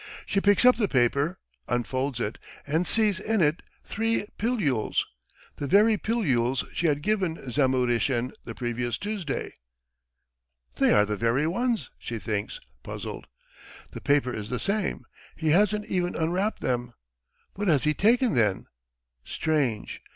She picks up the paper, unfolds it, and sees in it three pilules the very pilules she had given Zamuhrishen the previous Tuesday. "They are the very ones," she thinks puzzled. "... The paper is the same. ... He hasn't even unwrapped them! What has he taken then? Strange.